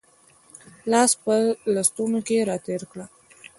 لاس په لستوڼي کې را تېر کړه